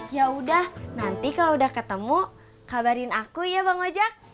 ya udah nanti kalau udah ketemu kabarin aku ya bang ojek